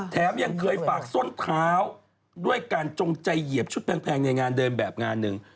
ยังเคยฝากส้นเท้าด้วยการจงใจเหยียบชุดแพงในงานเดินแบบงานหนึ่ง